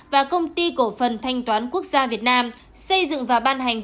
và công ty cổ phần thanh toán quốc gia việt nam xây dựng và ban hành